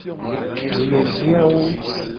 Dumevi awo.